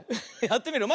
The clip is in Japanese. やってみる？